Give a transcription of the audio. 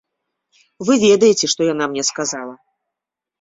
Вы ведаеце, што яна мне сказала.